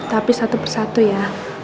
tapi satu persatu ya